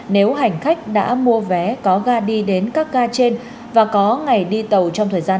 nếu hành khách đã mua vé có ga đi đến các ga trên và có ngày đi tàu trong thời gian